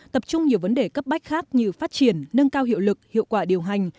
tập trung nhiều vấn đề cấp bách khác như phát triển nâng cao hiệu lực hiệu quả điều hành